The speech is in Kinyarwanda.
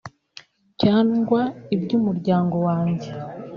cyangwa ubw’umuryango wanjye